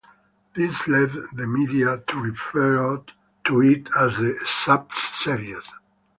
This led the media to refer to it as the Suds Series.